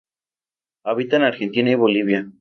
Habita en Argentina y Bolivia.